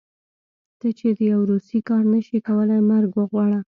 ته چې د يو روسي کار نشې کولی مرګ وغواړه.